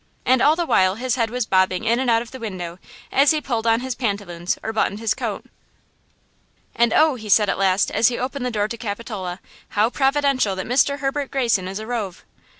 And all the while his head was bobbing in and out of the window, as he pulled on his pantaloons or buttoned his coat. "And oh!" he said, at last, as he opened the door to Capitola, "how providential that Mr. Herbert Greyson is arrove!"